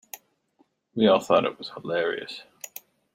We all thought it was hilarious.